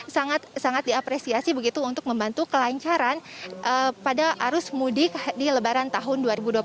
sangat sangat diapresiasi begitu untuk membantu kelancaran pada arus mudik di lebaran tahun dua ribu dua puluh satu